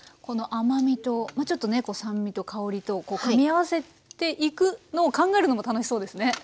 この甘みとちょっとね酸味と香りと組み合わせていくのを考えるのも楽しそうですね。